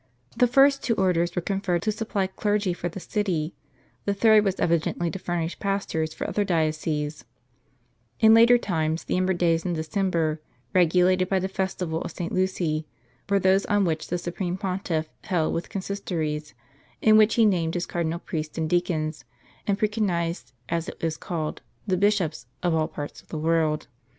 The first two orders were conferred to supply clergy for the third was evidently to furnish pastors for other In later times, the ember days in December, by the festival of St. Lucy, were those on which the Supreme Pontiff held his consistories, in which he named his cardinal priests and deacons, and preconized, as it is called, the bishops of all parts of the world.